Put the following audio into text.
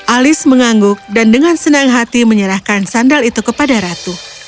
alice mengangguk dan dengan senang hati menyerahkan sandal itu kepada ratu